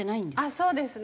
そうですね。